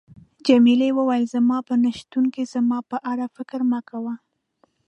جميلې وويل: زما په نه شتون کې زما په اړه فکر مه کوه.